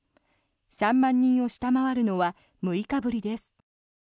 ３万人を下回るのは６日ぶりです。